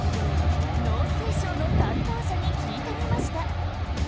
農水省の担当者に聞いてみました。